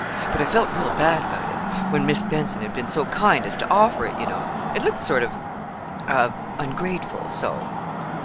"But I felt real bad about it—when Mis' Benson had been so kind as to offer it, you know. It looked sort of—of ungrateful, so."